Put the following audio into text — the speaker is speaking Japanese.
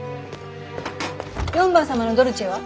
４番様のドルチェは？